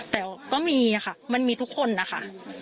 แต่ก็มีค่ะมันมีทุกคนนะคะ